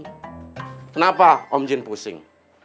kenapa om jin pusing